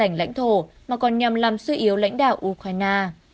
lãnh thổ mà còn nhằm làm suy yếu lãnh đạo ukraine